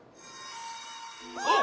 あっ！